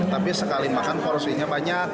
tapi sekali makan porsinya banyak